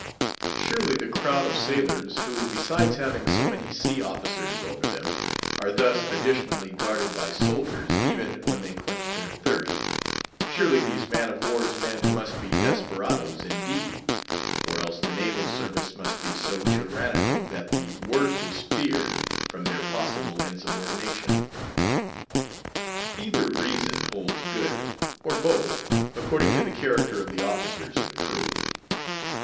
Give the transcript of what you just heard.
Surely, the crowd of sailors, who besides having so many sea officers over them, are thus additionally guarded by soldiers, even when they quench their thirst—surely these man of war's men must be desperadoes indeed; or else the naval service must be so tyrannical that the worst is feared from their possible insubordination. Either reason holds good, or both, according to the character of the officers and crew.